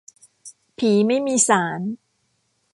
ผีไม่มีศาล